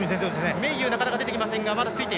メイユー、なかなか出てきません。